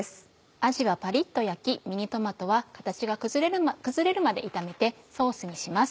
あじはパリっと焼きミニトマトは形が崩れるまで炒めてソースにします。